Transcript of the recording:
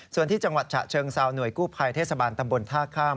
ส่วนที่จังหวัดฉะเชิงเซาหน่วยกู้ภัยเทศบาลตำบลท่าข้าม